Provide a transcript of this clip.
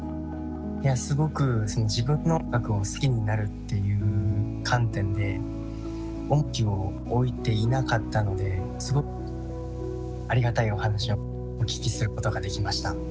いやすごく自分の音楽を好きになるっていう観点で重きを置いていなかったのですごくありがたいお話をお聞きすることができました。